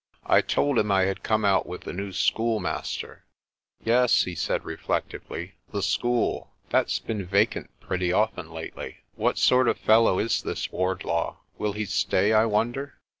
I told him I had come out with the new schoolmaster. "Yes," he said reflectively, "the school. That's been 36 PRESTER JOHN vacant pretty often lately. What sort of fellow is this Ward law? Will he stay, I wonder?'